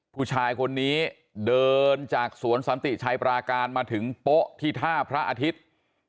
ผู้ชายคนนี้เดินจากสวนสันติชัยปราการมาถึงโป๊ะที่ท่าพระอาทิตย์